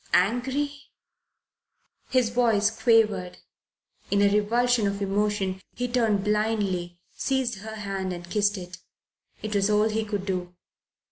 "Angry?" His voice quavered. In a revulsion of emotion he turned blindly, seized her hand and kissed it. It was all he could do.